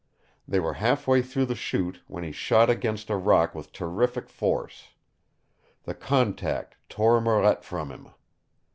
They were halfway through the Chute when he shot against a rock with terrific force. The contact tore Marette from him.